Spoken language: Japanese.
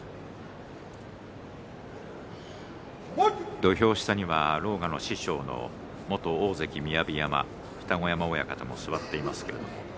土俵下には狼雅の師匠の元大関雅山、二子山親方が座っています。